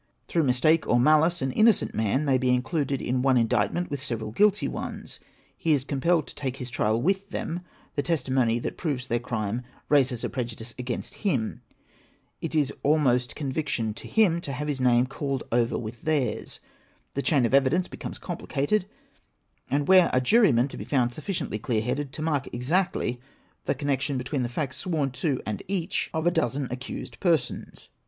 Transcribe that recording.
Through mistake or malice, an innocent man may be included in one indictment with several guilty ones — he is compelled to take his trial with them ; the testimony that proves their crime raises a prejudice against him ; it is almost conviction to him to have his name called over with theirs ; the chain of evidence becomes complicated, and where are jurymen to be found sufficiently clear headed to mark exactly the connection between the facts sworn to and each of a dozen accused per sons